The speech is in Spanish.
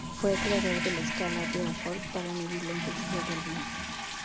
Fue el creador de la Escala Beaufort para medir la intensidad del viento.